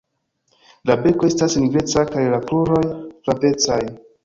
La beko estas nigreca kaj la kruroj flavecaj.